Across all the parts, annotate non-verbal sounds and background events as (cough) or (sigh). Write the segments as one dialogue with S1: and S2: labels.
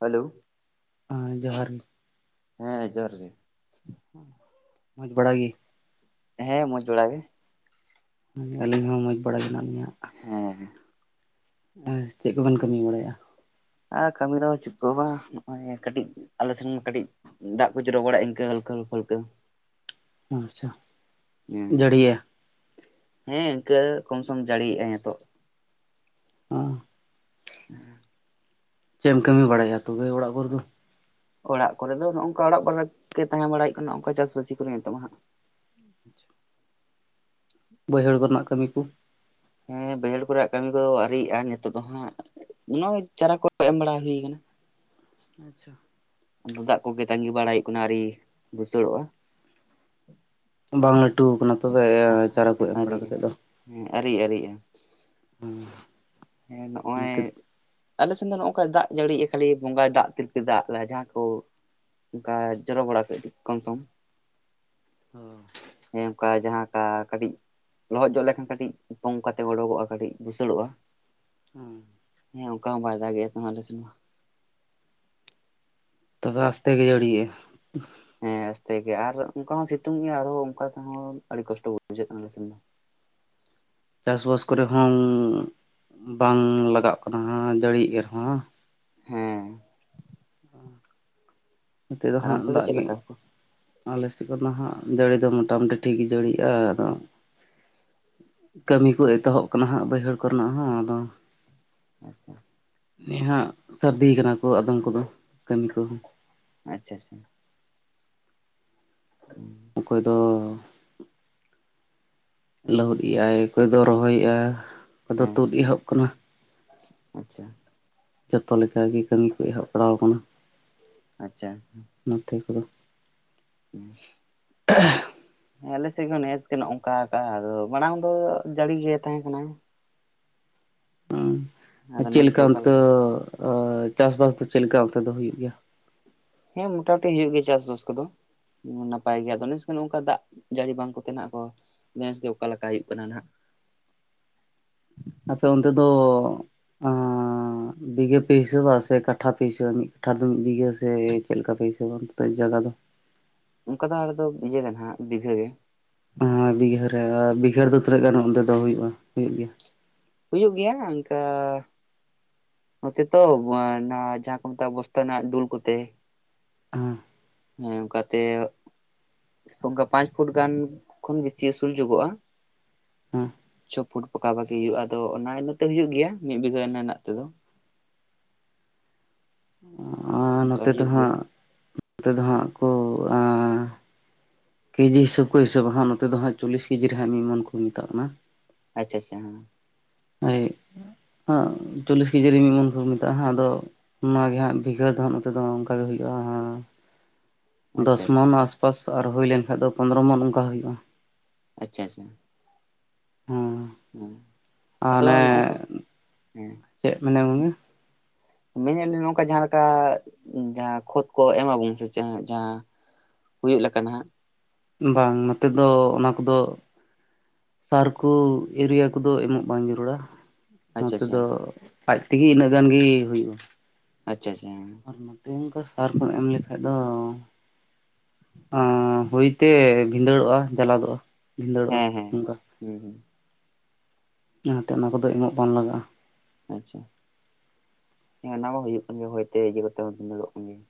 S1: Hello.
S2: (unintelligible) ᱡᱚᱦᱟᱨ᱾
S1: ᱦᱮᱸ ᱡᱚᱦᱟᱨ ᱜᱮ᱾
S2: ᱢᱚᱡᱽ ᱵᱟᱲᱟ ᱜᱮ?
S1: ᱦᱮᱸ ᱢᱚᱡᱽ ᱵᱮᱲᱟ ᱜᱮ᱾
S2: ᱟᱹᱞᱤᱧ ᱦᱚᱸ ᱢᱚᱡᱽ ᱵᱟᱲᱟᱭ ᱜᱮ ᱢᱮᱱᱟᱜ ᱞᱤᱧᱟᱹ᱾
S1: ᱦᱮᱸ
S2: (unintelligible) ᱪᱮᱫ ᱠᱚ ᱵᱮᱱ ᱠᱟᱹᱢᱤ ᱵᱟᱲᱟᱭᱮᱫ-ᱟ?
S1: ᱟ ᱠᱟᱹᱢᱤ ᱫᱚ ᱵᱚᱱ ᱪᱩᱠᱟᱹᱣᱟ (inaudible) ᱠᱟᱹᱴᱤᱡ ᱟᱞᱮ ᱥᱮᱱ ᱠᱟᱹᱴᱤᱡ ᱫᱟᱜ ᱠᱚ ᱡᱚᱨᱚ ᱵᱟᱲᱟᱭᱮᱜᱼᱟ ᱤᱱᱠᱟᱹ (unintelligible) (unintelligible) ᱦᱮᱸ
S2: (unintelligible) ᱡᱟᱹᱲᱤᱭᱟ᱾
S1: ᱦᱮᱸ ᱤᱱᱠᱟᱹ ᱠᱚᱢᱥᱚᱢ ᱡᱟᱹᱲᱤᱭᱮᱫ-ᱟᱭ ᱱᱤᱛᱚᱜ᱾
S2: (unintelligible)
S1: (unintelligible)
S2: ᱪᱮᱫ ᱮᱢ ᱠᱟᱹᱢᱤ ᱵᱟᱲᱟᱭᱟ ᱛᱚᱵᱮ ᱚᱲᱟᱜ ᱠᱚᱨᱮ ᱫᱚ?
S1: ᱚᱲᱟᱜ ᱠᱚᱨᱮ ᱫᱚ ᱱᱚᱜᱼᱚ ᱱᱚᱝᱠᱟ ᱚᱲᱟᱜ (unintelligible) ᱛᱟᱦᱮᱸ ᱵᱟᱲᱟ ᱦᱩᱭᱩᱜ ᱠᱟᱱᱟ ᱚᱱᱠᱟ ᱪᱟᱥᱵᱟᱹᱥᱤ ᱠᱚᱨᱮ ᱱᱤᱛᱚᱜ ᱢᱟ ᱦᱟᱸᱜ᱾
S2: (unintelligible) ᱵᱟᱹᱭᱦᱟᱹᱲ ᱠᱚᱨᱮᱱᱟᱜ ᱠᱟᱹᱢᱤ ᱠᱚ᱾
S1: ᱦᱮᱸ ᱵᱟᱹᱭᱦᱟᱹᱲ ᱠᱚ ᱨᱮᱭᱟᱜ ᱠᱟᱹᱢᱤ ᱠᱚ ᱫᱚ ᱟᱹᱣᱤᱭᱟᱜᱼᱟ ᱱᱤᱛᱚᱜ ᱫᱚ ᱦᱟᱸᱜ᱾ ᱱᱚᱜ-ᱚᱭ ᱪᱟᱨᱟ ᱠᱚ ᱛᱚ ᱮᱢ ᱵᱟᱲᱟ ᱦᱩᱭ (unintelligible)
S2: ᱟᱪᱪᱷᱟ᱾
S1: ᱟᱫᱚ ᱫᱟᱜ ᱠᱚᱜᱮ ᱛᱟᱺᱜᱤ ᱵᱟᱲᱟ ᱦᱩᱭᱩᱜ ᱠᱟᱱᱟ ᱟᱹᱣᱨᱤ ᱵᱩᱥᱟᱹᱲᱚᱜᱼᱟ᱾
S2: ᱵᱟᱝ ᱞᱟᱹᱴᱩ ᱟᱠᱟᱱᱟ (unintelligible) ᱛᱚᱵᱮ ᱪᱟᱨᱟ ᱠᱚ ᱮᱢ ᱵᱟᱲᱟ
S1: ᱟᱹᱣᱨᱤᱜᱼᱟ
S2: ᱠᱟᱛᱮ ᱫᱚ?
S1: ᱦᱮᱸ ᱟᱹᱣᱨᱤ ᱟᱹᱣᱨᱤᱜᱼᱟ
S2: (unintelligible)
S1: ᱦᱮᱸ ᱱᱚᱜᱼᱚᱭ
S2: ᱱᱚᱛᱮ
S1: (unintelligible) (unintelligible) ᱫᱚ ᱱᱚᱜᱠᱟ ᱫᱟᱜ ᱡᱟᱹᱲᱤᱭᱮᱫᱼᱟ ᱠᱷᱟᱹᱞᱤ ᱵᱚᱸᱜᱟᱭ ᱫᱟᱜ ᱛᱤᱨᱯᱤ ᱫᱟᱜ ᱞᱟᱜ-ᱟ ᱡᱟᱦᱟᱸ ᱠᱚ ᱚᱱᱠᱟ ᱡᱚᱨᱚ ᱵᱟᱲᱟ ᱠᱮᱫ ᱜᱮ ᱠᱚᱢᱥᱚᱢ᱾
S2: ᱚ᱾
S1: ᱦᱮᱸ ᱚᱱᱠᱟ ᱡᱟᱦᱟᱸ ᱠᱟ ᱠᱟᱹᱴᱤᱡ᱾ ᱞᱚᱦᱚᱫ ᱡᱚᱜ ᱞᱮᱠᱷᱟᱱ ᱠᱟᱹᱴᱤᱡ ᱯᱚᱝᱠᱟᱛᱮ ᱚᱰᱚᱜᱚᱜᱼᱟ ᱠᱟᱹᱴᱤᱡ ᱫᱩᱥᱟᱹᱲᱚᱜᱼᱟ᱾
S2: ᱦᱩᱸ᱾
S1: ᱦᱮᱸ ᱚᱝᱠᱟ ᱦᱚᱸ ᱵᱟᱭ ᱫᱟᱜᱮᱫ-ᱟ ᱛᱟᱦᱮᱸᱫ ᱟᱞᱮ ᱥᱮᱫ ᱢᱟ᱾
S2: (unintelligible) ᱟᱥᱛᱮ ᱜᱮ ᱡᱟᱹᱲᱤᱭᱮᱫ-ᱟᱭ?
S1: ᱦᱮᱸ ᱟᱥᱛᱮ ᱜᱮ ᱟᱨ ᱚᱱᱠᱟ ᱦᱚᱸ ᱥᱤᱛᱩᱝ ᱜᱮᱭᱟ ᱟᱨᱦᱚᱸ ᱚᱱᱠᱟ ᱛᱮᱦᱚᱸ ᱟᱹᱰᱤ ᱠᱚᱥᱴᱚ ᱵᱩᱡᱷᱟᱹᱜ ᱠᱟᱱᱟ ᱟᱞᱮ ᱥᱮᱱ ᱫᱚ᱾ (inaudible)
S2: ᱪᱟᱥ-ᱵᱟᱥ ᱠᱚᱨᱮ ᱦᱚᱸ ᱵᱟᱝ ᱞᱟᱜᱟᱜ ᱠᱟᱱᱟ ᱫᱟᱹᱲᱤ ᱮ ᱨᱮᱦᱚᱸ
S1: ᱦᱮᱸ
S2: ᱱᱚᱛᱮ ᱫᱚ
S1: ᱟᱨ
S2: ᱦᱟᱸᱜ
S1: ᱚᱱᱛᱮ
S2: ᱫᱟᱜ
S1: ᱪᱮᱫ
S2: ᱜᱮ
S1: ᱞᱮᱠᱟ ᱠᱚ
S2: ᱟᱞᱮ ᱥᱮᱫ ᱠᱷᱚᱱ ᱫᱚ ᱦᱟᱸᱜ ᱡᱟᱹᱲᱤ ᱫᱚ ᱢᱳᱚᱴᱟᱢᱩᱴᱤ ᱴᱷᱤᱠ ᱡᱟᱹᱲᱤᱜᱼᱟ ᱟᱫᱚ᱾ ᱠᱟᱹᱢᱤ ᱠᱚ ᱮᱛᱚᱦᱚᱵ ᱠᱟᱱᱟ ᱦᱟᱸᱜ ᱵᱟᱹᱭᱦᱟᱹᱲ ᱠᱚᱨᱮᱱᱟᱜ ᱦᱚᱸ ᱟᱫᱚ᱾
S1: ᱟᱪᱪᱷᱟ
S2: ᱱᱮᱦᱟᱜ ᱥᱟᱹᱨᱫᱤ ᱠᱟᱱᱟ ᱠᱚ ᱟᱫᱚᱢ ᱠᱚᱫᱚ ᱠᱟᱹᱢᱤ ᱠᱚᱦᱚᱸ
S1: ᱟᱪᱪᱷᱟ ᱟᱪᱪᱷᱟ ᱦᱮᱸ
S2: ᱚᱠᱚᱭ ᱫᱚ ᱦᱮᱞᱳ ᱮᱭᱟᱭ ᱚᱠᱚᱭ ᱫᱚ ᱨᱚᱦᱚᱭᱮᱜᱼᱟ᱾ ᱠᱚᱫᱚ
S1: ᱦᱮᱸ
S2: ᱛᱩᱫ ᱮᱦᱚᱵ ᱠᱟᱱᱟ᱾
S1: ᱟᱪᱪᱷᱟ
S2: ᱡᱚᱛᱚ ᱞᱮᱠᱟᱜᱮ ᱠᱟᱹᱢᱤ ᱠᱚ ᱮᱦᱚᱵ ᱵᱟᱲᱟᱣ ᱟᱠᱟᱱᱟ᱾
S1: ᱟᱪᱪᱷᱟ ᱦᱮᱸ
S2: (unintelligible)
S1: ᱦᱮᱸ ᱟᱞᱮ ᱥᱮᱫ ᱜᱮ ᱱᱮᱥ ᱜᱮ ᱱᱚᱝᱠᱟ ᱠᱟᱜᱼᱟ᱾ ᱟᱫᱚ ᱢᱟᱲᱟᱝ ᱫᱚ ᱡᱟᱹᱲᱤ ᱜᱮ ᱛᱟᱦᱮᱸ ᱠᱟᱱᱟ᱾
S2: ᱪᱮᱫ
S1: ᱱᱮᱥ ᱜᱮ
S2: ᱞᱮᱠᱟ
S1: ᱚᱠᱟ
S2: ᱚᱱᱛᱮ ᱪᱟᱥᱼᱵᱟᱥ ᱫᱚ ᱪᱮᱫ ᱞᱮᱠᱟ ᱚᱱᱛᱮ ᱫᱚ ᱦᱩᱭᱩᱜ ᱜᱮᱭᱟ?
S1: ᱦᱮᱸ ᱢᱚᱴᱟᱢᱩᱴᱤ ᱦᱩᱭᱩᱜ ᱜᱮᱭᱟ ᱪᱟᱥᱵᱟᱥ ᱠᱚᱫᱚ ᱱᱟᱯᱟᱭ ᱜᱮᱭᱟ ᱟᱫᱚ ᱱᱮᱥ ᱫᱚ ᱚᱝᱠᱟ ᱫᱟᱜ ᱡᱟᱹᱲᱤ ᱵᱟᱝ ᱠᱚ ᱛᱮᱱᱟᱜ ᱠᱚ ᱱᱮᱥ ᱜᱮ ᱚᱠᱟ ᱞᱮᱠᱟ ᱦᱩᱭᱩᱜ ᱠᱟᱱᱟ ᱱᱟᱜ᱾
S2: ᱟᱯᱮ ᱚᱱᱛᱮ ᱫᱚ ᱵᱤᱜᱷ ᱯᱮ ᱦᱤᱥᱟᱹᱵᱼᱟ ᱥᱮ ᱠᱟᱴᱷᱟ ᱯᱮ ᱦᱤᱥᱟᱹᱵ-ᱟ ᱢᱤᱫ ᱠᱟᱴᱷᱟ ᱫᱚ ᱢᱤᱫ ᱵᱤᱜᱷᱟᱹ ᱥᱮ ᱪᱮᱫ ᱞᱮᱠᱟ ᱯᱮ ᱦᱤᱥᱟᱹᱼᱟ ᱡᱟᱭᱜᱟ ᱫᱚ
S1: ᱚᱱᱠᱟ ᱫᱚ ᱟᱫᱚ ᱤᱭᱟᱹ ᱠᱟᱱᱟ ᱦᱟᱜ ᱵᱤᱜᱷᱟᱹ ᱜᱮ
S2: ᱦᱮ ᱵᱤᱜᱷᱟᱹ ᱨᱮ ᱵᱤᱜᱷᱟᱹ ᱨᱮᱫᱚ ᱛᱤᱱᱟᱹᱜ ᱜᱟᱱ ᱚᱱᱛᱮ ᱫᱚ ᱦᱩᱭᱩᱜᱼᱟ, ᱦᱩᱭᱩᱜ ᱜᱮᱭᱟ᱾
S1: ᱦᱩᱭᱩᱜ ᱜᱮᱭᱟ ᱚᱱᱠᱟ ᱱᱚᱛᱮ ᱛᱚ ᱡᱟᱦᱟᱸ ᱠᱚ ᱢᱮᱛᱟᱜ ᱵᱚᱥᱛᱟ ᱨᱮᱱᱟᱜ ᱰᱩᱞ ᱠᱚᱛᱮ
S2: ᱦᱮᱸ
S1: ᱦᱮᱸ ᱚᱱᱠᱟᱛᱮ ᱚᱱᱠᱟ ᱯᱟᱸᱪ ᱯᱷᱩᱴ ᱜᱟᱱ ᱠᱷᱚᱱ ᱵᱮᱥᱤ ᱩᱥᱩᱞ ᱡᱚᱜᱚᱜᱼᱟ᱾
S2: ᱦᱮᱸ
S1: ᱪᱷᱚ ᱯᱷᱩᱴ ᱯᱟᱠᱟ ᱯᱟᱹᱠᱤ ᱦᱩᱭᱩᱜᱼᱟ ᱟᱫᱚ ᱚᱱᱟ ᱤᱭᱟᱹᱛᱮ ᱦᱳᱭᱳᱜ ᱜᱮᱭᱟ ᱢᱤᱫ ᱵᱤᱜᱷᱱᱟᱹ ᱨᱮᱱᱟᱜ ᱛᱮᱫᱚ
S2: ᱟᱨ
S1: ᱚᱱᱠᱟ
S2: ᱱᱚᱛᱮ ᱫᱚ
S1: ᱦᱩᱭᱩᱜ ᱜᱮᱭᱟ
S2: ᱦᱟᱸᱜ ᱱᱚᱛᱮ ᱫᱚ ᱦᱟᱸᱜ ᱠᱚ ᱠᱮᱡᱤ ᱦᱤᱥᱟᱹᱵ ᱠᱚ ᱦᱤᱥᱟᱹᱵᱟ ᱦᱟᱸᱜ ᱱᱚᱛᱮ ᱫᱚ ᱦᱟᱸᱜ ᱪᱚᱞᱞᱤᱥ ᱠᱮᱡᱤ ᱨᱮ ᱦᱟᱸᱜ ᱢᱚᱱ ᱠᱚ ᱢᱮᱛᱟᱜ ᱠᱟᱱᱟ᱾
S1: ᱟᱪᱪᱷᱟ ᱟᱪᱪᱷᱟ ᱦᱮᱸ
S2: ᱦᱳᱭ ᱦᱮ ᱪᱚᱞᱞᱤᱥ ᱠᱮᱡᱤ ᱨᱮ ᱢᱤᱫ ᱢᱚᱱ ᱠᱚ ᱢᱮᱛᱟᱜᱼᱟ ᱟᱫᱚ ᱚᱱᱟᱚ ᱜᱮ ᱦᱟᱸᱜ ᱵᱷᱤᱜᱷᱟᱹ ᱫᱚ ᱦᱟᱸᱜ ᱱᱚᱛᱮ ᱫᱚ ᱚᱱᱠᱟ ᱜᱮ ᱦᱩᱭᱩᱜᱼᱟ᱾
S1: (unintelligible)
S2: ᱫᱚᱥ
S1: ᱟᱪᱪᱷᱟ ᱟᱪᱪᱷᱟ
S2: ᱢᱚᱱ ᱟᱥᱯᱟᱥ ᱟᱨ ᱦᱩᱭ ᱞᱮᱱᱠᱷᱟᱱ ᱫᱚ ᱯᱚᱱᱫᱽᱨᱚ ᱢᱚᱱ ᱚᱱᱠᱟ ᱦᱩᱭᱩᱜᱼᱟ᱾
S1: ᱟᱪᱪᱷᱟ ᱟᱪᱪᱷᱟ
S2: ᱦᱮᱸ
S1: ᱦᱮᱸ
S2: ᱟᱨ
S1: ᱟᱫᱚ
S2: ᱚᱱᱮ
S1: ᱱᱚᱜᱝᱠᱟ ᱦᱮᱸ
S2: ᱪᱮᱫ ᱢᱮᱱᱟ ᱜᱚᱝᱠᱮ
S1: ᱢᱮᱱᱮᱫ ᱞᱤᱧ ᱱᱚᱝᱠᱟ ᱡᱟᱦᱟᱸ ᱞᱮᱠᱟ ᱡᱟᱦᱟᱸ ᱠᱷᱚᱛ ᱠᱚ ᱮᱢᱟᱵᱚᱱ ᱥᱮ ᱡᱟᱦᱟᱸ ᱦᱩᱭᱩᱜ ᱞᱮᱠᱟᱱᱟᱜ
S2: ᱵᱟᱝ ᱱᱚᱛᱮ ᱫᱚ ᱚᱱᱟ ᱠᱚᱫᱚ ᱥᱟᱨ ᱠᱚ ᱣᱩᱨᱤᱭᱟ ᱠᱚᱫᱚ ᱮᱢᱚᱜ ᱵᱟᱝ ᱡᱟᱹᱨᱩᱲᱟ
S1: ᱟᱪᱪᱷᱟ
S2: ᱱᱚᱛᱮ
S1: ᱟᱪᱪᱷᱟ
S2: ᱫᱚ ᱟᱡ ᱛᱮᱜᱮ ᱤᱱᱟᱹᱜ ᱜᱟᱱᱜᱮ ᱦᱩᱭᱩᱜᱼᱟ᱾
S1: ᱟᱪᱪᱷᱟ ᱟᱪᱪᱷᱟ
S2: ᱟᱨ ᱱᱚᱛᱮ ᱚᱱᱠᱚ ᱥᱟᱨᱠᱩᱢ ᱮᱢ ᱞᱮᱠᱷᱟᱡ ᱫᱚ ᱦᱚᱭᱛᱮ ᱵᱷᱤᱸᱫᱟᱹᱲᱚᱜᱼᱟ, ᱡᱟᱞᱟᱫᱚᱜᱼᱟ᱾ ᱵᱷᱤᱸᱫᱟᱹᱲᱚᱜᱼᱟ
S1: ᱦᱮᱸ ᱦᱮᱸ
S2: ᱚᱱᱠᱟ
S1: ᱦᱩᱸ ᱦᱩᱸ
S2: ᱚᱱᱟᱛᱮ ᱚᱱᱟ ᱠᱚᱫᱚ ᱮᱢᱚᱜ ᱵᱟᱝ ᱞᱟᱜᱟᱜᱼᱟ᱾
S1: ᱟᱪᱪᱷᱟ ᱦᱮ ᱚᱱᱟ ᱢᱟ ᱦᱩᱭᱩᱜ ᱠᱟᱱ ᱜᱮᱭᱟ ᱦᱚᱭ ᱤᱭᱟᱹ ᱠᱟᱛᱮ ᱦᱚᱸ ᱵᱷᱤᱸᱫᱟᱹᱲᱚᱜ ᱠᱟᱱ ᱜᱮᱭᱟ᱾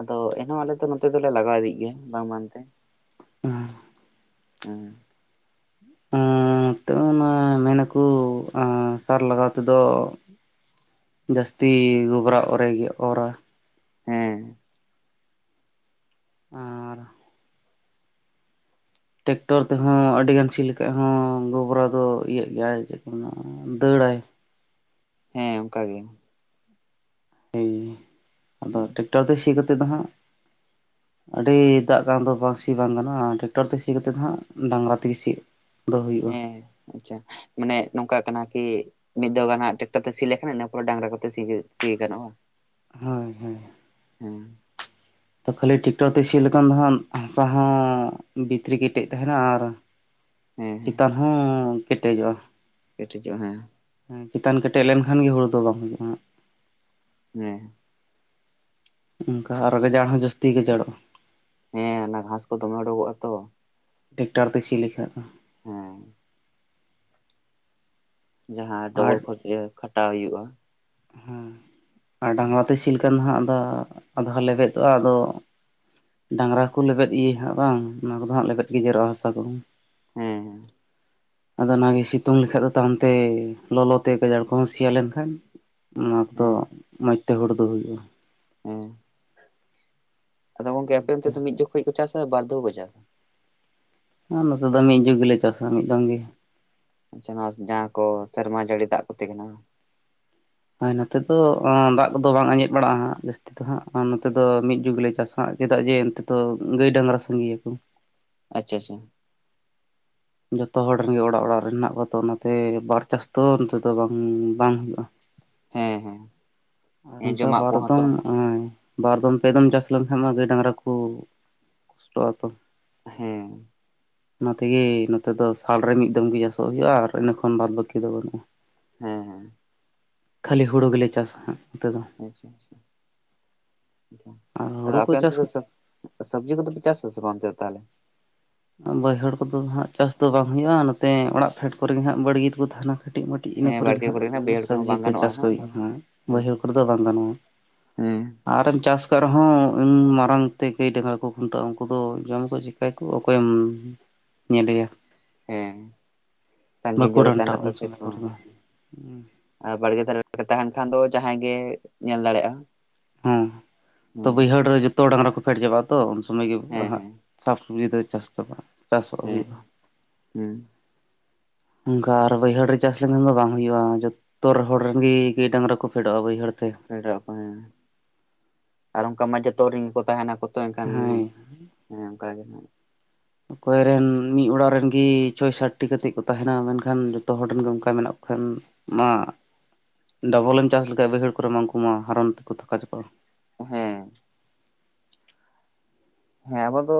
S1: ᱟᱫᱚ ᱮᱱᱦᱚᱸ ᱟᱞᱮ ᱫᱚ ᱱᱚᱛᱮ ᱫᱚᱞᱮ ᱞᱟᱜᱟᱣ ᱤᱫᱤᱭᱮᱜ ᱜᱮᱭᱟ ᱵᱟᱝ ᱵᱟᱝᱛᱮ᱾
S2: ᱟᱨ
S1: ᱦᱮᱸ
S2: ᱱᱤᱛᱚᱜ ᱚᱱᱟ ᱢᱮᱱᱟᱠᱚ ᱥᱟᱨ ᱞᱟᱜᱟᱣ ᱛᱮᱫᱚ ᱡᱟᱹᱥᱛᱤ ᱜᱚᱵᱽᱨᱟ ᱚᱨ ᱜᱮ ᱚᱨᱟ
S1: ᱦᱮᱸ
S2: ᱟᱨ ᱴᱨᱟᱠᱴᱚᱨ ᱛᱮᱦᱚᱸ ᱟᱹᱰᱤ ᱜᱟᱱ ᱥᱤ ᱞᱮᱠᱷᱟᱡ ᱦᱚᱸ ᱜᱚᱵᱨᱟ ᱫᱚ ᱤᱭᱟᱹᱜ ᱜᱮᱭᱟ ᱪᱮᱫ ᱠᱚ ᱢᱮ ᱫᱟᱹᱲ ᱵᱟᱲᱟᱭ (unintelligible)
S1: ᱦᱮᱸ ᱚᱱᱠᱟᱜᱮ
S2: ᱦᱮᱭ ᱟᱫᱚ ᱴᱮᱠᱴᱟᱨ ᱛᱮ ᱥᱤ ᱠᱟᱛᱮᱫ ᱫᱚ ᱦᱟᱸᱜ
S1: (inaudible)
S2: ᱟᱹᱰᱤ ᱫᱟᱜ ᱠᱟᱱ ᱫᱚ ᱵᱟᱝ ᱥᱤ ᱵᱟᱝ ᱜᱟᱱᱚᱜ-ᱟ ᱴᱨᱟᱠᱴᱚᱨ ᱛᱮ ᱥᱤ ᱠᱟᱛᱮᱫ ᱫᱚ ᱦᱟᱸᱜ ᱰᱟᱝᱨᱟ ᱛᱮᱜᱮ ᱥᱤᱜ
S1: ᱦᱮᱸ ᱟᱪᱪᱷᱟ ᱢᱟᱱᱮ ᱱᱚᱝᱠᱟ ᱠᱟᱱᱟ ᱠᱤ ᱢᱤᱫ ᱫᱟᱣ ᱜᱟᱱ ᱦᱟᱸᱜ ᱴᱮᱠᱴᱟᱨ ᱛᱮ ᱥᱤ ᱞᱮᱠᱷᱟᱱ ᱤᱱᱟᱹ ᱯᱚᱨᱮ ᱰᱟᱝᱨᱟ ᱠᱚᱛᱮ ᱥᱤ ᱥᱤ ᱜᱟᱱᱚᱜᱼᱟ ᱵᱟᱝ
S2: ᱦᱳᱭ ᱦᱳᱭ ᱠᱷᱟᱹᱞᱤ ᱴᱮᱠᱴᱚᱨ ᱛᱮ ᱥᱤᱭ ᱞᱮᱠᱷᱟᱱ ᱫᱚ ᱦᱟᱜ ᱦᱟᱥᱟ ᱦᱚᱸ ᱵᱷᱤᱛᱨᱤ ᱠᱮᱴᱮᱡ ᱛᱟᱦᱮᱱᱟ ᱟᱨ
S1: ᱦᱮᱸ
S2: ᱪᱮᱛᱟᱱ ᱦᱚᱸ ᱠᱮᱴᱮᱡᱚᱜ-ᱟ
S1: ᱠᱮᱴᱮᱡᱚᱜ ᱦᱮᱸ
S2: ᱪᱮᱛᱟᱱ ᱠᱮᱴᱮᱡ ᱞᱮᱱᱠᱷᱟᱱ ᱜᱮ ᱦᱩᱲᱩ ᱫᱚ ᱵᱟᱝ ᱦᱩᱭᱩᱜ-ᱟ ᱦᱟᱜ
S1: ᱦᱮᱸ
S2: ᱚᱱᱠᱟ ᱟᱨᱚ ᱜᱟᱡᱟᱲ ᱦᱚᱸ ᱡᱟᱹᱥᱛᱤ ᱜᱮᱡᱟᱲᱚᱜ-ᱟ
S1: ᱦᱮᱸ ᱚᱱᱟ ᱜᱷᱟᱥ ᱠᱚ ᱫᱚᱢᱮ ᱩᱰᱩᱠᱚᱜᱼᱟ ᱛᱚ
S2: ᱴᱮᱠᱴᱟᱨ ᱛᱮ ᱥᱤ (unintelligible)
S1: ᱦᱮᱸ ᱡᱟᱦᱟᱸ
S2: ᱟᱨ
S1: ᱰᱚᱵᱚᱞ ᱠᱷᱚᱨᱚᱪ ᱨᱮ ᱠᱷᱟᱴᱟᱣ ᱦᱩᱭᱩᱜ-ᱟ
S2: ᱦᱮᱸ ᱟᱨ ᱰᱟᱝᱨᱟ ᱛᱮ ᱥᱤ ᱞᱮᱠᱷᱟᱱ ᱫᱚ ᱦᱟᱸᱜ ᱟᱫᱷᱟ ᱞᱮᱵᱮᱫᱚᱜ-ᱟ ᱟᱫᱚ ᱰᱟᱝᱨᱟ ᱠᱚ ᱞᱮᱵᱮᱫ ᱜᱮᱭᱟ ᱦᱟᱸᱜ ᱵᱟᱝ ᱚᱱᱟ ᱠᱚᱫᱚ ᱦᱟᱸᱜ ᱞᱮᱵᱮᱫ ᱜᱮ ᱡᱮᱨᱚᱜ-ᱟ ᱦᱟᱥᱟ ᱫᱚ
S1: ᱦᱮᱸ
S2: ᱟᱫᱚ ᱚᱱᱟᱜᱮ ᱥᱤᱛᱩᱝ ᱞᱮᱠᱷᱟᱡ ᱫᱚ ᱛᱟᱭᱚᱢᱛᱮ ᱞᱚᱞᱚ ᱛᱮ ᱜᱟᱡᱟᱲ ᱠᱚᱦᱚᱸ ᱥᱮᱭᱟ ᱞᱮᱱᱠᱷᱟᱱ ᱚᱱᱟ ᱛᱚ
S1: ᱦᱮᱸ
S2: ᱢᱚᱸᱡᱽᱛᱮ ᱦᱚᱲᱩ ᱫᱚ ᱦᱩᱭᱩᱜ-ᱟ
S1: ᱦᱩᱸ ᱟᱫᱚ ᱜᱚᱝᱠᱮ ᱟᱯᱮ ᱚᱱᱛᱮ ᱫᱚ ᱢᱤᱫ ᱡᱚᱠᱷᱚᱡ ᱠᱚ ᱪᱟᱥᱟ ᱵᱟᱨ ᱫᱷᱟᱣ ᱠᱚ ᱪᱟᱥᱟ
S2: ᱟᱨ ᱱᱚᱛᱮ ᱫᱚ ᱢᱤᱫ ᱡᱩᱜᱽ ᱜᱮᱞᱮ ᱪᱟᱥᱟ ᱢᱤᱫ ᱫᱚᱢ ᱜᱮ
S1: ᱟᱪᱪᱷᱟ ᱱᱚᱣᱟ ᱡᱟᱦᱟᱸ ᱠᱚ ᱥᱮᱨᱢᱟ ᱡᱟᱹᱲᱤ ᱫᱟᱜ ᱠᱚᱛᱮ ᱠᱟᱱᱟ
S2: ᱦᱮᱸ ᱱᱚᱛᱮ ᱫᱚ ᱫᱟᱜ ᱠᱚᱫᱚ ᱵᱟᱝ ᱟᱸᱡᱮᱫ ᱵᱟᱲᱟᱜ-ᱟ ᱦᱟᱜ ᱡᱟᱹᱥᱛᱤ ᱫᱚ ᱦᱟᱸᱜ ᱱᱚᱛᱮ ᱫᱚ ᱢᱤᱫ ᱡᱩᱜᱽ ᱞᱮ ᱪᱟᱥᱼᱟ ᱪᱮᱫᱟᱜ ᱡᱮ ᱚᱱᱛᱮ ᱫᱚ ᱜᱟᱹᱭ ᱰᱟᱝᱨᱟ ᱥᱟᱸᱜᱮᱭᱟ ᱠᱚ
S1: ᱟᱪᱪᱷᱟ ᱟᱪᱪᱷᱟ
S2: ᱡᱚᱛᱚ ᱦᱚᱲ ᱨᱮᱱᱜᱮ ᱚᱲᱟᱜ ᱚᱲᱟᱜ ᱨᱮᱱ ᱢᱮᱱᱟᱜ ᱠᱚᱣᱟ ᱛᱚ ᱚᱱᱟᱛᱮ ᱵᱟᱨ ᱪᱟᱥ ᱫᱚ ᱱᱚᱛᱮ ᱫᱚ ᱵᱟᱝ ᱵᱟᱝ ᱦᱩᱭᱩᱜ-ᱟ
S1: ᱦᱮᱸ ᱦᱮᱸ
S2: ᱟᱨ
S1: ᱦᱮᱸ
S2: ᱚᱱᱠᱟ
S1: ᱡᱚᱢᱟᱜ
S2: ᱵᱟᱨ
S1: ᱠᱚᱦᱚᱸ
S2: ᱫᱚᱢ
S1: ᱛᱚ
S2: ᱵᱟᱨ ᱫᱚᱢ ᱯᱮ ᱫᱚᱢ ᱪᱟᱥ (unintelligible) ᱜᱟᱹᱭ ᱰᱟᱝᱨᱟ ᱠᱚ ᱠᱚᱥᱴᱚᱜ ᱟ ᱛᱚ
S1: ᱦᱮᱸ
S2: ᱚᱱᱟᱛᱮᱜᱮ ᱱᱚᱛᱮ ᱫᱚ ᱥᱟᱞᱨᱮ ᱢᱤᱫ ᱫᱚᱢ ᱜᱮ ᱪᱟᱥᱚᱜ ᱦᱩᱭᱩᱜ-ᱟ ᱟᱨ ᱤᱱᱟᱹ ᱠᱷᱚᱱ ᱵᱟᱫᱽ ᱵᱟᱹᱠᱤ ᱫᱚ ᱵᱟᱹᱱᱩᱜ-ᱟ
S1: ᱦᱮᱸ
S2: ᱠᱷᱟᱹᱞᱤ ᱦᱩᱲᱩ ᱜᱮᱞᱮ ᱪᱟᱥᱟ ᱦᱟᱸᱜ ᱱᱚᱛᱮ ᱫᱚ
S1: ᱟᱪᱪᱷᱟ ᱟᱪᱪᱷᱟ
S2: ᱟᱨ
S1: ᱟᱫᱚ
S2: ᱦᱩᱲᱩ ᱠᱚ
S1: ᱟᱯᱮ ᱚᱱᱛᱮ
S2: ᱪᱟᱥ
S1: ᱫᱚ
S2: ᱠᱟᱛᱮ
S1: ᱥᱚᱵᱽᱡᱤ ᱠᱚᱫᱚᱯᱮ ᱪᱟᱥ ᱟᱥᱮ ᱵᱟᱝ ᱚᱱᱛᱮ ᱫᱚ ᱛᱟᱦᱚᱞᱮ
S2: ᱵᱟᱹᱭᱦᱟᱹᱲ ᱠᱚᱫᱚ ᱦᱟᱸᱜ ᱪᱟᱥ ᱫᱚ ᱵᱟᱝ ᱦᱩᱭᱩᱜ-ᱟ ᱱᱚᱛᱮ ᱚᱲᱟᱜ ᱯᱷᱮᱰ ᱠᱚᱨᱮ ᱜᱮ ᱦᱟᱸᱜ ᱵᱟᱹᱲᱜᱮ ᱫᱚ ᱛᱟᱦᱮᱱᱟ ᱠᱟᱹᱴᱤᱡ ᱢᱟᱹᱴᱤᱡ ᱤᱱᱟᱹ
S1: ᱦᱮᱸ
S2: ᱠᱚᱨᱮ ᱜᱮ
S1: ᱵᱟᱲᱜᱮ
S2: ᱦᱟᱸᱜ
S1: ᱵᱟᱹᱭᱦᱟᱹᱲ ᱠᱚᱦᱚᱸ
S2: ᱥᱚᱵᱽᱡᱤ
S1: ᱵᱟᱝ
S2: ᱠᱚ
S1: ᱜᱟᱱᱚᱜᱼᱟ
S2: ᱪᱟᱥ ᱠᱚ
S1: ᱦᱟᱸᱜ ᱱᱚᱣᱟ
S2: ᱦᱩᱭᱩᱜ-ᱟ
S1: ᱦᱮᱸ
S2: ᱵᱟᱹᱭᱦᱟᱹᱲ ᱠᱚᱨᱮ ᱫᱚ ᱵᱟᱝ
S1: ᱦᱮᱸ
S2: ᱜᱟᱱᱚᱜ-ᱟ ᱟᱨᱮᱢ ᱪᱟᱥ ᱚᱠᱟ ᱨᱮᱦᱚᱸ ᱢᱟᱨᱟᱝᱛᱮ ᱜᱟᱹᱭ ᱰᱟᱝᱜᱨᱟ ᱠᱚ ᱠᱷᱩᱱᱴᱟᱹᱜ-ᱟ ᱩᱱᱠᱩ ᱫᱚ ᱡᱚᱢ ᱠᱚ ᱪᱮᱠᱟᱹᱭ ᱠᱚ ᱚᱠᱚᱭᱮᱢ ᱧᱮᱞᱮᱭᱟ
S1: ᱦᱮᱸ ᱥᱟᱹᱜᱤᱧ
S2: ᱵᱟᱠᱚ
S1: ᱧᱚᱜ ᱨᱮ ᱛᱟᱦᱮᱱᱟ
S2: ᱰᱟᱱᱴᱟᱜᱼᱟ ᱩᱱ
S1: ᱛᱚᱵᱮ
S2: ᱥᱚᱢᱚᱭ
S1: ᱛᱚ
S2: ᱠᱚᱨᱮ ᱫᱚ
S1: ᱟᱨ ᱵᱟᱲᱜᱮ ᱫᱷᱟᱨᱮ ᱛᱟᱦᱮᱱ ᱠᱷᱟᱱ ᱫᱚ ᱡᱟᱦᱟᱸᱭ ᱜᱮ ᱧᱮᱞ ᱫᱟᱲᱮᱭᱟᱜ-ᱟ
S2: ᱦᱮᱸ ᱛᱚ ᱵᱟᱹᱭᱦᱟᱹᱲ ᱨᱮ ᱡᱚᱛᱚ ᱰᱟᱝᱨᱟ ᱠᱚ ᱯᱷᱮᱰ ᱪᱟᱵᱟᱜᱼᱟ ᱛᱚ ᱥᱚᱢᱚᱭ ᱜᱮ
S1: ᱦᱮᱸ
S2: ᱦᱟᱸᱜ
S1: ᱦᱮᱸ
S2: ᱥᱟᱵ ᱥᱚᱵᱽᱡᱤ ᱫᱚ ᱪᱟᱥ ᱛᱟᱼᱼ
S1: ᱦᱮᱸ ᱦᱮᱸ
S2: ᱚᱱᱠᱟ ᱟᱨ ᱵᱟᱹᱭᱦᱟᱹᱲ ᱨᱮ ᱪᱟᱥ ᱞᱮᱱᱠᱷᱟᱱ ᱫᱚ ᱵᱟᱝ ᱦᱩᱭᱩᱜᱼᱟ ᱡᱚᱛᱚ ᱦᱚᱲ ᱨᱮᱱᱜᱮ ᱜᱟᱹᱭ ᱰᱟᱝᱨᱟ ᱠᱚ ᱯᱷᱮᱰᱚᱜᱼᱟ ᱵᱟᱹᱭᱦᱟᱹᱲ ᱛᱮ
S1: (unintelligible) ᱦᱮᱸ ᱟᱨ ᱚᱱᱠᱟ ᱢᱟ ᱡᱚᱛᱚᱜ ᱜᱮ ᱠᱚ ᱛᱟᱦᱮᱱᱟᱠᱚ᱾ ᱛᱚ ᱮᱱᱠᱷᱟᱱᱮ
S2: ᱦᱮᱸ
S1: ᱚᱱᱠᱟᱜᱮ
S2: ᱚᱠᱚᱭ ᱨᱮᱱ ᱢᱤᱫ ᱚᱲᱟᱜ ᱨᱮᱱ ᱜᱮ ᱪᱷᱚᱭ ᱥᱟᱛᱴᱤ ᱠᱟᱛᱮᱫ ᱠᱚ ᱛᱟᱦᱮᱸᱱᱟ ᱢᱮᱱᱠᱷᱟᱱ ᱡᱚᱛᱚ ᱦᱚᱲ ᱨᱮᱱ ᱜᱮ ᱚᱱᱠᱟ ᱢᱮᱱᱟᱜ ᱠᱚᱣᱟ᱾ ᱠᱷᱟᱱ ᱢᱟ ᱰᱚᱵᱚᱞᱮᱢ ᱪᱟᱥ ᱞᱮᱠᱷᱟᱟᱱ ᱵᱟᱹᱭᱦᱟᱹᱲ ᱠᱚᱨᱮ ᱢᱟ ᱩᱱᱠᱩ ᱢᱟ ᱦᱟᱨᱚᱱ ᱛᱮᱠᱚ ᱛᱷᱟᱠᱟᱪᱟᱠᱚᱣᱚᱜᱼᱟ᱾
S1: ᱦᱮᱸ ᱦᱮᱸ ᱟᱵᱚ ᱫᱚ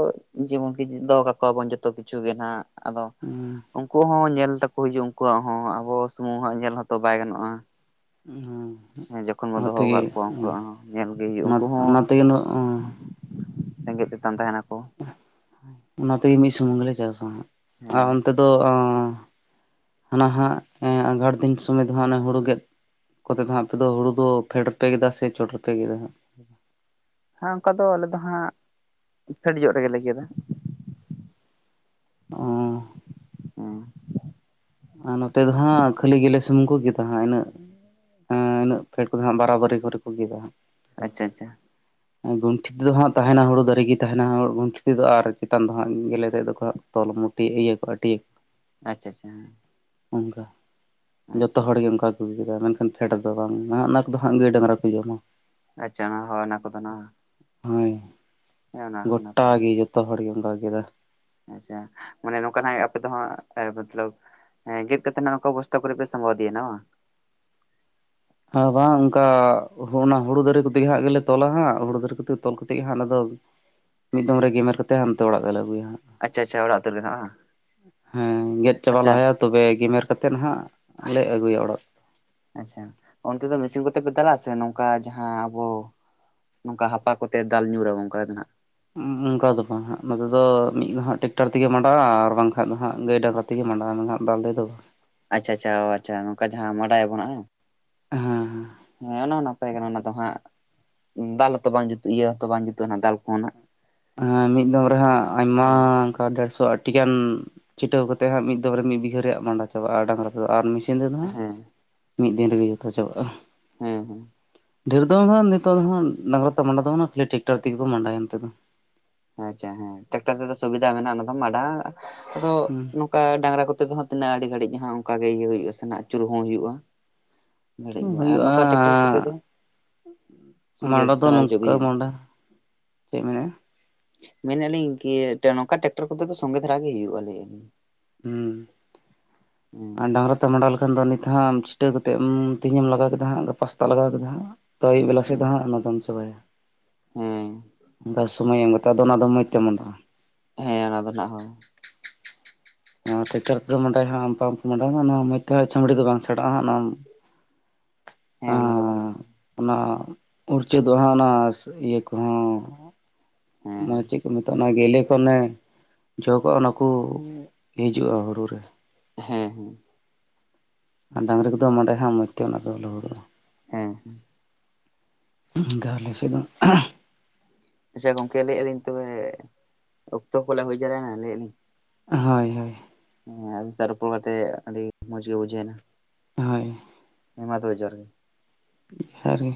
S1: ᱡᱮᱢᱚᱱᱠᱤ ᱫᱚᱦᱚ ᱠᱟᱠᱚᱣᱟᱵᱚᱱ ᱡᱚᱛᱚ ᱠᱤᱪᱷᱩ ᱜᱮ ᱱᱟᱜ ᱟᱫᱚ
S2: ᱦᱮᱸ
S1: ᱩᱱᱠᱩ ᱦᱚᱸ ᱧᱮᱞ ᱛᱮᱠᱚ ᱦᱤᱡᱩᱜᱼᱟ ᱩᱱᱠᱩᱣᱟᱜ ᱦᱚᱸ ᱟᱵᱚ ᱥᱩᱢᱩᱝ ᱦᱚᱸ ᱧᱮᱞ ᱦᱚᱸᱛᱚ ᱵᱟᱭ ᱜᱟᱱᱚᱜᱼᱟ᱾
S2: ᱦᱩᱸ
S1: ᱦᱮᱸ ᱡᱚᱠᱷᱚᱱ ᱵᱚᱱ ᱫᱚᱦᱚ ᱟᱠᱟᱫ ᱠᱚᱣᱟ ᱩᱱᱠᱩᱣᱟᱜ ᱦᱚᱸ ᱧᱮᱞ ᱜᱮ ᱦᱩᱭᱩᱜ ᱩᱱᱠᱩ ᱦᱚᱸ
S2: ᱚᱱᱟ ᱛᱮᱜᱮ
S1: ᱨᱮᱜᱮᱡ ᱛᱮᱛᱟᱝ ᱛᱟᱦᱮᱱᱟ
S2: ᱚᱱᱟᱛᱮᱜᱮ ᱢᱤᱫ ᱥᱩᱢᱩᱝ ᱜᱮᱞᱮ ᱪᱟᱥᱟᱜ ᱟᱨ
S1: ᱦᱮᱸ
S2: ᱚᱱᱛᱮ ᱫᱚ ᱚ ᱦᱟᱱᱟ ᱦᱟᱸᱜ ᱟᱸᱜᱷᱟᱬ ᱫᱤᱱ ᱥᱚᱢᱚᱭ ᱫᱚ ᱦᱟᱸᱜ ᱦᱩᱲᱩ ᱜᱮ ᱠᱚᱛᱮ ᱫᱚᱜ ᱟᱯᱮ ᱫᱚ ᱦᱩᱲᱩ ᱫᱚ ᱯᱷᱮᱰ ᱨᱮᱯᱮ ᱠᱮᱫᱟ ᱥᱮ ᱪᱚᱴ ᱨᱮᱯᱮ ᱠᱮᱫᱟ ᱦᱟᱜ
S1: ᱦᱮᱸ ᱚᱱᱠᱟ ᱫᱚ ᱟᱞᱮ ᱫᱚ ᱦᱟᱜ ᱯᱷᱮᱰ ᱧᱚᱜ ᱨᱮᱜᱮᱞᱮ ᱜᱮᱫᱟ᱾
S2: ᱚ
S1: ᱦᱮᱸ
S2: ᱟᱨ ᱱᱚᱛᱮ ᱫᱚ ᱦᱟᱸᱜ ᱠᱷᱟᱹᱞᱤ ᱜᱮᱞᱮ ᱥᱩᱢᱩᱝ ᱠᱚ ᱠᱮᱫᱟ ᱦᱟᱸᱜ ᱤᱱᱟᱹᱜ ᱮᱸ ᱤᱱᱟᱹᱜ ᱯᱷᱮᱰ ᱠᱚᱫᱚ ᱦᱟᱸᱜ ᱵᱟᱨᱟᱵᱟᱨᱤ ᱠᱚᱨᱮ ᱠᱚ ᱜᱮᱫᱟ ᱦᱟᱸᱜ
S1: ᱟᱪᱪᱷᱟ ᱟᱪᱪᱷᱟ
S2: ᱜᱚᱱᱴᱮ ᱛᱮᱫᱚ ᱦᱟᱸᱜ ᱛᱟᱦᱮᱱᱟ ᱦᱩᱲᱩ ᱫᱟᱨᱮ ᱜᱮ ᱛᱟᱦᱮᱱᱟ ᱜᱚᱱᱴᱷᱮ ᱛᱮᱫᱚ ᱛᱟᱦᱮᱱᱟ ᱟᱨ ᱪᱮᱛᱟᱱ ᱫᱚ ᱦᱟᱸᱜ ᱜᱮᱞᱮ ᱛᱮᱫ ᱫᱚᱸᱜ ᱛᱚᱞᱼᱼ ᱢᱩᱴᱤ ᱱᱤᱭᱟᱹ ᱠᱚᱴᱤ
S1: ᱟᱪᱪᱷᱟ ᱟᱪᱪᱷᱟ
S2: ᱚᱱᱠᱟ ᱡᱚᱛᱚ
S1: ᱟᱪᱪᱷᱟ
S2: ᱦᱚᱲ ᱜᱮ ᱚᱱᱠᱟ (unintelligible) ᱢᱮᱱᱠᱷᱟᱱ ᱯᱷᱮᱰ ᱫᱚ ᱵᱟᱝ ᱱᱟ ᱚᱱᱟ ᱠᱚᱫᱚ ᱦᱟᱸᱜ ᱜᱟᱹᱭ ᱰᱟᱝᱨᱟ ᱠᱚ ᱡᱚᱢᱟ᱾
S1: ᱟᱪᱪᱷᱟ ᱦᱳᱭ ᱚᱱᱟ ᱠᱚᱫᱚ ᱱᱟ
S2: ᱦᱳᱭ ᱜᱚᱴᱟ ᱜᱮ ᱡᱚᱛᱚ ᱦᱚᱲ ᱜᱮᱢ ᱨᱟᱜ ᱠᱮᱫᱟ
S1: ᱟᱪᱪᱷᱟ ᱢᱟᱱᱮ ᱱᱚᱝᱠᱟᱱᱟᱜ ᱟᱯᱮ ᱫᱚ ᱦᱟᱸᱜ ᱢᱚᱛᱞᱚᱵ ᱦᱮᱸ ᱜᱮᱫ ᱠᱟᱛᱮ ᱦᱟᱜ ᱵᱚᱥᱛᱛᱟ ᱠᱚᱨᱮ ᱯᱮ ᱥᱚᱢᱵᱷᱟᱣ ᱤᱫᱤᱭᱟ ᱵᱟᱝ
S2: ᱟᱨᱮ ᱵᱟᱝ ᱚᱱᱠᱟ ᱚᱱᱟ ᱦᱩᱲᱩ ᱫᱟᱨᱮ ᱠᱚᱛᱮ ᱜᱮᱞᱮ ᱛᱚᱞᱟ ᱦᱟᱸᱜ ᱦᱩᱲᱩ ᱫᱟᱨᱮ ᱠᱚᱛᱮ ᱛᱚᱞ ᱠᱟᱛᱮᱫ ᱦᱟᱸᱜ ᱚᱱᱟ ᱫᱚ ᱢᱤᱫ ᱫᱚᱢ ᱨᱮ ᱜᱮᱢᱮᱨ ᱠᱟᱛᱮ ᱦᱟᱱᱛᱮ ᱚᱲᱟᱜ ᱜᱮᱞ ᱟᱹᱜᱩᱭᱟ ᱦᱟᱸᱜ
S1: ᱟᱪᱪᱷᱟ ᱟᱪᱪᱷᱟ ᱚᱲᱟᱜ ᱯᱮ ᱵᱮᱱᱟᱣ ᱟ ᱵᱟᱝ
S2: ᱦᱮᱸ ᱜᱮᱫ ᱪᱟᱵᱟ
S1: ᱟᱪᱪᱷᱟ
S2: ᱞᱟᱦᱟᱭᱟ ᱛᱚᱵᱮ ᱜᱮᱢᱮᱨ ᱠᱟᱛᱮᱫ ᱦᱟᱜ ᱞᱮ ᱟᱹᱜᱩᱭᱟ ᱚᱲᱟᱜ
S1: ᱟᱪᱪᱷᱟ ᱚᱱᱛᱮ ᱫᱚ ᱢᱮᱥᱤᱱ ᱠᱚᱛᱮ ᱯᱮ ᱫᱟᱞᱞᱟᱼᱟ ᱥᱮ ᱱᱚᱝᱠᱟ ᱡᱟᱦᱟᱸ ᱟᱵᱚ ᱱᱚᱝᱠᱟ ᱦᱟᱯᱟ ᱠᱚᱛᱮ ᱫᱟᱞ ᱧᱩᱨᱟᱵᱚᱱ ᱚᱱᱠᱟ ᱫᱚ ᱱᱟᱜ
S2: ᱚᱱᱠᱟ ᱫᱚ ᱵᱟᱝ ᱦᱟᱜ ᱱᱚᱛᱮ ᱫᱚ ᱢᱤᱫ ᱫᱚ ᱦᱟᱜ ᱴᱮᱠᱴᱟᱨ ᱛᱮᱜᱮ ᱢᱟᱰᱟᱜᱼᱟ ᱟᱨ ᱵᱟᱝᱠᱷᱟᱱ ᱫᱚ ᱜᱟᱹᱭ ᱰᱟᱝᱨᱟ ᱛᱮᱜᱮ ᱢᱟᱸᱰᱟ ᱨᱮᱱᱟᱜ ᱵᱟᱫᱮ ᱫᱚ
S1: ᱟᱪᱪᱷᱟ ᱟᱪᱪᱷᱟ ᱚ ᱟᱪᱪᱷᱟ ᱱᱚᱝᱠᱟ ᱡᱟᱦᱟᱸ ᱵᱟᱰᱟᱭᱟᱵᱚ ᱦᱮᱸ
S2: ᱵᱟᱝ
S1: ᱚᱱᱮ ᱚᱱᱟ ᱛᱟᱦᱮᱸ ᱠᱟᱱᱟ ᱚᱱᱟ ᱫᱚ ᱦᱟᱸᱜ ᱫᱟᱞ ᱦᱚᱛᱚ ᱵᱟᱝ ᱡᱩᱛᱩᱜ ᱤᱭᱟᱹ ᱦᱚᱸᱛᱚ ᱵᱟᱝ ᱡᱩᱛᱩᱜᱼᱟ ᱫᱟᱞ ᱠᱚᱦᱚᱱᱟᱜ
S2: ᱦᱮᱸ ᱢᱤᱫ ᱫᱚᱢ ᱨᱮᱦᱟᱸᱜ ᱟᱭᱢᱟ
S1: ᱦᱮᱸ
S2: ᱚᱱᱠᱟ ᱰᱮᱲᱥᱚ ᱟᱴ ᱴᱤᱠᱟᱱ ᱪᱷᱤᱴᱟᱹᱣ ᱠᱟᱛᱮ ᱦᱟᱸᱜ ᱢᱤᱫ ᱫᱚᱢ ᱨᱮ ᱢᱤᱫ ᱵᱤᱜᱟᱹ ᱨᱮᱭᱟᱜ ᱢᱟᱸᱰᱟ ᱪᱟᱵᱟᱜᱼᱟ ᱰᱟᱝᱨᱟ ᱛᱮᱫᱚ ᱟᱨᱥᱤᱱ ᱥᱤᱸᱫᱟᱹ ᱫᱚ ᱦᱟᱸᱜ
S1: ᱦᱮᱸ
S2: ᱢᱤᱫ ᱫᱤᱱ ᱨᱮᱜᱮ ᱡᱚᱛᱚ ᱪᱟᱵᱟᱜᱼᱟ
S1: ᱦᱮᱸ ᱦᱮᱸ
S2: ᱰᱷᱮᱨ ᱫᱚ ᱵᱟᱝᱜ ᱱᱤᱛᱚᱜ ᱫᱚ ᱰᱟᱝᱨᱟ ᱛᱮ ᱢᱟᱸᱰᱟ ᱫᱚ ᱵᱟᱝ-ᱟ ᱠᱷᱟᱹᱞᱤ ᱴᱨᱮᱠᱴᱟᱨ ᱛᱮᱜᱮ ᱠᱚ ᱢᱟᱸᱰᱟᱭᱟ ᱱᱤᱛ ᱫᱚ
S1: ᱟᱪᱪᱷᱟ ᱦᱮᱸ ᱴᱨᱟᱠᱴᱟᱨ ᱛᱮᱫᱚ ᱥᱩᱵᱤᱫᱟ ᱢᱮᱱᱟᱜᱼᱟ ᱚᱱᱟ ᱫᱚ ᱢᱟᱸᱰᱟ ᱟᱫᱚ
S2: ᱦᱩᱸ
S1: ᱱᱚᱝᱠᱟ ᱰᱟᱝᱨᱟ ᱠᱚᱛᱮ ᱫᱚᱦᱚᱸ ᱛᱤᱱᱟᱹᱜ ᱟᱹᱰᱤ ᱜᱷᱟᱹᱲᱤᱡ ᱡᱟᱦᱟᱸ ᱚᱱᱠᱟᱟᱜᱮ ᱤᱭᱟᱹ ᱦᱩᱭᱩᱜᱼᱟ ᱥᱮᱬ ᱟᱹᱪᱩᱨ ᱦᱚᱸ ᱦᱩᱭᱩᱜᱼᱟ ᱵᱟᱹᱲᱤᱡ ᱜᱮᱭᱟ ᱟᱨ ᱱᱚᱝᱠᱟ ᱴᱨᱮᱠᱴᱟᱨ ᱠᱚᱛᱮ ᱫᱚ ᱥᱚᱸᱜᱮ
S2: ᱢᱟᱸᱰᱟ ᱫᱚ
S1: ᱫᱷᱟᱨᱟ ᱦᱚᱪᱚᱜ ᱜᱮ
S2: ᱱᱚᱝᱠᱟ
S1: ᱦᱩᱭᱩᱜᱼᱟ
S2: ᱢᱟᱸᱰᱟ ᱪᱮᱫ ᱢᱮᱱᱟᱜᱼᱟ
S1: ᱢᱮᱱᱮᱜ ᱞᱤᱧ ᱠᱤ‌ᱱᱚᱝᱠᱟ ᱴᱨᱮᱠᱴᱟᱨ ᱠᱚᱛᱮ ᱫᱚ ᱥᱚᱝᱜᱮ ᱫᱷᱟᱨᱟ ᱜᱮ ᱦᱩᱭᱩᱜᱼᱟ ᱞᱟᱹᱭ ᱟᱞᱤᱧ
S2: ᱦᱮᱸ ᱟᱨ ᱰᱟᱝᱨᱟ ᱛᱮ ᱢᱟᱸᱰᱟ ᱞᱮᱠᱷᱟᱱ ᱫᱚ ᱱᱤᱛ ᱦᱟᱸ ᱪᱷᱤᱴᱟᱹ ᱠᱟᱛᱮ ᱛᱮᱦᱮᱧ ᱮᱢ ᱞᱟᱜᱟᱣ ᱠᱮᱫᱟ ᱦᱟᱸᱜ ᱜᱟᱯᱟ ᱥᱮᱛᱟᱜ ᱞᱟᱜᱟᱣ ᱠᱮᱫᱟ ᱦᱟᱸᱜ ᱟᱹᱭᱩᱵ ᱵᱮᱞᱟ ᱥᱮᱫ ᱫᱚ
S1: ᱦᱮᱸ
S2: ᱦᱟᱸᱜ ᱚᱱᱟ ᱫᱚᱢ ᱪᱟᱵᱟᱭᱟ
S1: ᱦᱮᱸ
S2: ᱵᱟᱥ ᱥᱚᱢᱚᱭ ᱮᱢ ᱠᱟᱛᱮᱜ ᱟᱫᱚ ᱚᱱᱟ ᱫᱚ ᱢᱚᱡᱽ ᱛᱮ ᱢᱚᱸᱰᱟᱜ-ᱟ
S1: ᱦᱮᱸ ᱚᱱᱟ ᱫᱚ ᱱᱟᱜ ᱦᱚᱸ
S2: ᱮᱸ ᱴᱨᱟᱠᱴᱚᱨ ᱛᱮᱫᱚ ᱱᱚᱰᱮ ᱦᱟᱸᱜ (unintelligible) ᱢᱚᱡᱽ ᱛᱮ ᱦᱟᱸᱜ ᱪᱷᱟᱢᱲᱤ ᱫᱚ ᱵᱟᱝ ᱪᱷᱟᱰᱟᱜ ᱟ (unintelligible)
S1: ᱦᱮᱸ ᱚᱱᱟ ᱠᱚᱫᱚ ᱜᱟᱱᱚᱜ ᱟ
S2: ᱩᱲᱪᱟᱹ ᱫᱚ ᱚᱱᱟ ᱤᱭᱟᱹ ᱠᱚᱦᱚᱸ
S1: ᱦᱮᱸ
S2: ᱚᱱᱟ ᱫᱚ ᱪᱮᱫ ᱠᱚ ᱢᱮᱛᱟᱜ ᱟ ᱚᱱᱟ ᱜᱮᱞᱮ ᱠᱚ ᱚᱱᱮ ᱡᱚ ᱠᱚᱜ ᱟ ᱚᱱᱟ ᱠᱚ ᱦᱤᱡᱩᱜᱼᱟ ᱦᱩᱲᱩ ᱨᱮ
S1: ᱦᱮᱸ ᱦᱮᱸ
S2: ᱟᱨ ᱰᱟᱝᱨᱤ ᱠᱚᱫᱚ ᱱᱚᱰᱮ ᱦᱟᱸᱜ (unintelligible) ᱢᱚᱡᱽ (unintelligible) ᱛᱮ ᱚᱱᱟ ᱫᱚ ᱞᱟᱦᱩᱫᱚᱜ ᱟ
S1: ᱦᱮᱸ ᱦᱮᱸ
S2: ᱚᱱᱠᱟ ᱟᱞᱮ ᱥᱮ ᱫᱚ
S1: ᱟᱪᱪᱷᱟ ᱜᱚᱝᱠᱮ ᱞᱟᱹᱭᱮᱫ-ᱟᱞᱤᱧ ᱛᱚᱵᱮ ᱚᱠᱛᱚ ᱠᱚ ᱦᱩᱭ ᱡᱟᱭᱨᱟᱭ ᱱᱟ ᱞᱟᱹᱭᱮᱫᱼᱟ ᱞᱤᱧ
S2: ᱦᱳᱭ ᱦᱳᱭ
S1: ᱦᱮᱸ ᱟᱵᱤᱱ ᱥᱟᱜ ᱨᱚᱯᱚᱲ ᱠᱟᱛᱮ ᱟᱹᱰᱤ ᱢᱚᱡᱽ ᱜᱮ ᱵᱩᱡᱷᱟᱹᱭᱱᱟ
S2: ᱦᱳᱭ
S1: ᱦᱮᱸ ᱢᱟ ᱛᱚᱵᱮ ᱡᱚᱦᱟᱨ ᱜᱮ
S2: ᱡᱚᱦᱟᱨ ᱜᱮ